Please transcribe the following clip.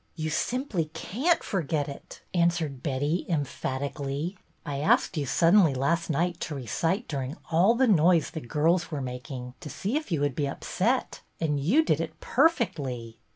" You simply can't forget it," answered Betty, emphatically. " I asked you suddenly last night to recite during all the noise the girls were making, to see if you would be upset, and you did it perfectly."